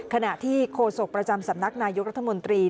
ขณะที่โฆษกประจำสำนักนายกรัฐมนตรี